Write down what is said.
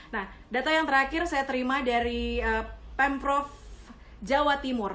nah data yang terakhir saya terima dari pemprov jawa timur